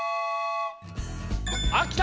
あっきた！